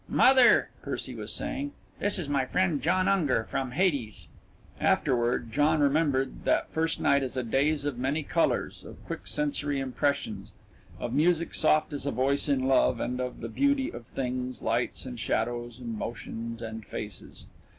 "Mother," Percy was saying, "this is my friend, John Unger, from Hades." Afterward John remembered that first night as a daze of many colours, of quick sensory impressions, of music soft as a voice in love, and of the beauty of things, lights and shadows, and motions and faces.